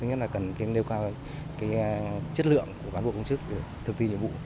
thứ nhất là cần nêu cao chất lượng của cán bộ công chức để thực thi nhiệm vụ